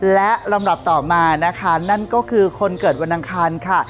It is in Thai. และลำดับต่อมานะคะนั่นก็คือคนเกิดวันอังคารค่ะ